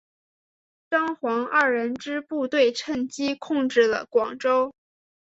张黄二人之部队趁机控制了广州。